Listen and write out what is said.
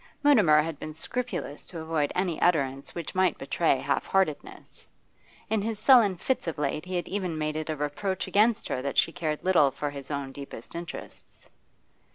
Mutimer had been scrupulous to avoid any utterance which might betray half heartedness; in his sullen fits of late he had even made it a reproach against her that she cared little for his own deepest interests.